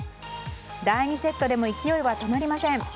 第２セットでも勢いは止まりません。